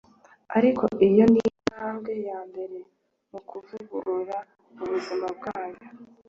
ariko iyo ni intambwe ya mbere mu kuvugurura ubuzima bwanyu